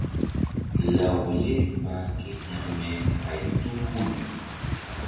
Law ye mbah ke hekme ɓay tu hul.